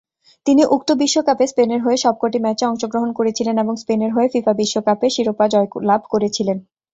তিনি উক্ত বিশ্বকাপে স্পেনের হয়ে সবকটি ম্যাচে অংশগ্রহণ করেছিলেন এবং স্পেনের হয়ে ফিফা বিশ্বকাপের শিরোপা জয়লাভ করেছিলেন।